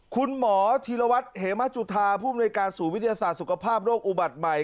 คุณหมอธีรวัตรเหมจุธาภูมิในการศูนย์วิทยาศาสตร์สุขภาพโรคอุบัติใหม่